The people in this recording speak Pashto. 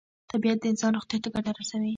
طبیعت د انسان روغتیا ته ګټه رسوي.